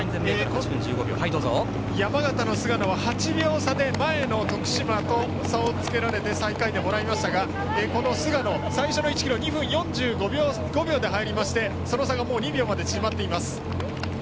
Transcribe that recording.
山形の菅野は８秒差で前の徳島と差をつけられて最下位でもらいましたが菅野、最初の１ｋｍは２分４５秒で入りましてその差がもう２秒まで縮まっています。